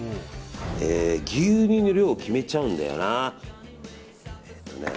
牛乳の量を決めちゃうんだよな。